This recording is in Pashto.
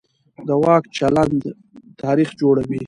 د واک چلند تاریخ جوړوي